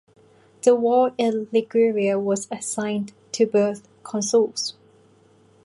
The war in Liguria was assigned to both consuls.